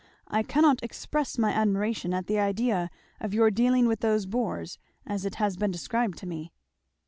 "I cannot express my admiration at the idea of your dealing with those boors, as it has been described to me."